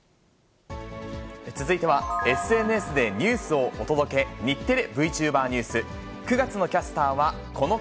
続いてはＳＮＳでニュースをお届け、日テレＶＴｕｂｅｒニュース。